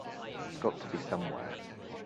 It's got to be somewhere.